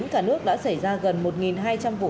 cả nước đã xảy ra gần một hai trăm linh vụ